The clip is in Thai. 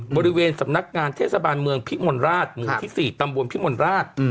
บริเวณสำนักงานเทศบาลเมืองพิมลราชหมู่ที่๔ตำบลพิมลราช